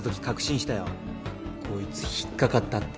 こいつ引っ掛かったって。